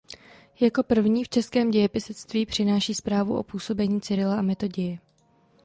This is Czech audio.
Jako první v českém dějepisectví přináší zprávu o působení Cyrila a Metoděje.